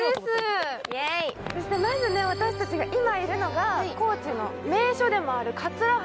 そしてまず私たちが今いるのが高知の名所でもある桂浜。